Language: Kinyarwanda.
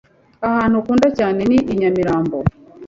Ahantu nkunda cyane ni i Nyamirambo,